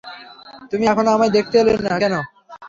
তুমি এখনো আমায় দেখতে এলে না, কেন?